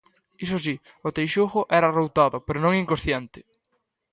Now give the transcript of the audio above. Iso si, o Teixugo era arroutado pero non inconsciente.